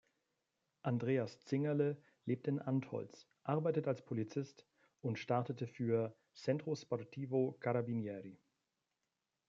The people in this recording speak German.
Andreas Zingerle lebt in Antholz, arbeitet als Polizist und startete für "Centro Sportivo Carabinieri".